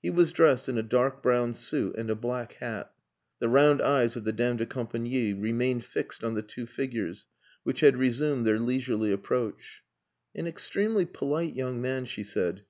He was dressed in a dark brown suit and a black hat. The round eyes of the dame de compagnie remained fixed on the two figures, which had resumed their leisurely approach. "An extremely polite young man," she said.